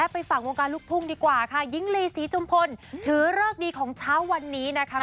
ไปฝากวงการลูกทุ่งดีกว่าค่ะหญิงลีศรีจุมพลถือเลิกดีของเช้าวันนี้นะคะ